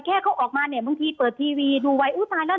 แค่เขาออกมาเนี่ยบางทีเปิดทีวีดูไว้อุ้ยตายแล้ว